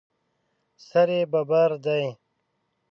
سر یې ببر دی.